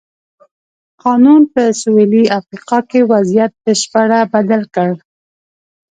قانون په سوېلي افریقا کې وضعیت بشپړه بدل کړ.